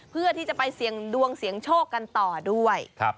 เพื่อที่จะไปเสี่ยงดวงเสี่ยงโชคกันต่อด้วย